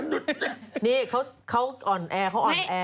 นี่เขาอนแออ่อนแอ